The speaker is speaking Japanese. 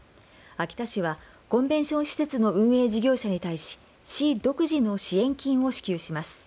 秋田市はコンベンション施設の運営事業者に対し市独自の支援金を支給します。